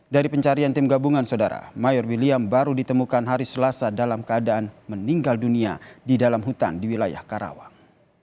dari pencarian tim gabungan saudara mayor william baru ditemukan hari selasa dalam keadaan meninggal dunia di dalam hutan di wilayah karawang